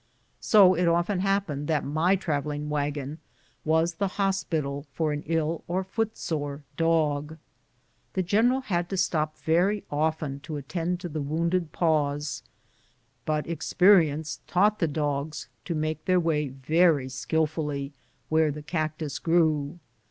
So it often happened that my travelling wagon was the hos pital for an ill or foot sore dog. The general had to stop very often to attend to the wounded paws, but experi ence taught the dogs to make their way very skilfully where the cactus grew.